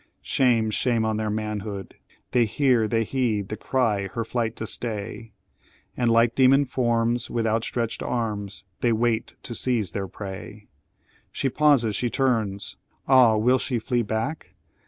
Shame, shame on their manhood! they hear, they heed The cry, her flight to stay, And like demon forms with their outstretched arms, They wait to seize their prey! "She pauses, she turns! Ah, will she flee back?